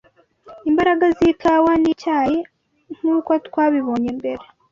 Imbaraga z’ikawa n’icyayi, nk’uko twabibonye mbere